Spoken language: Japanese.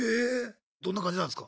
どんな感じなんすか？